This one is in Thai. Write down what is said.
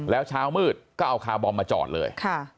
แล้วเช้ามืดก็เอาคาร์บอมมาจอดเลย